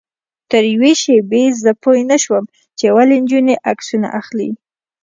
تر یوې شېبې زه پوی نه وم چې ولې نجونې عکسونه اخلي.